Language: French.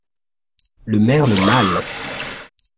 Le merle mâle.